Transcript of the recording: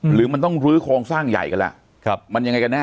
หรือมันต้องลื้อครองสร้างใหญ่กันล่ะครับมันยังไงกันน่ะ